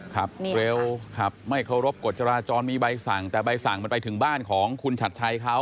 ขับเร็วขับไม่เคารพกฎจราจรมีใบสั่งแต่ใบสั่งมันไปถึงบ้านของคุณชัดชัยเขา